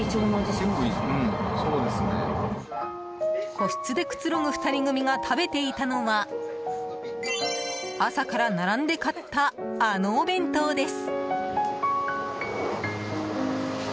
個室でくつろぐ２人組が食べていたのは朝から並んで買ったあのお弁当です。